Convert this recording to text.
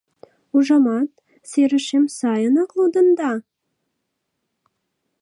— Ужамат, серышем сайынак лудында?